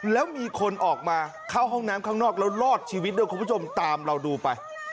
แล้วมีคนออกมาเข้าห้องน้ำข้างนอกแล้วรอดชีวิตด้วยคุณผู้ชมตามเราดูไป